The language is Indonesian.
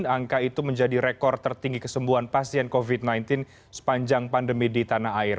angka itu menjadi rekor tertinggi kesembuhan pasien covid sembilan belas sepanjang pandemi di tanah air